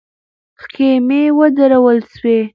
خېمې ودرول سوې.